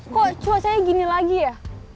kok cuacanya gini lagi ya